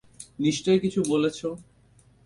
নিশ্চয় কিছু বলছো?